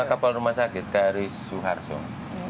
kapal rumah sakit kri suharsung